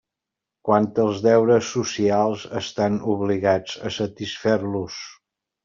Quant als deures socials, estan obligats a satisfer-los.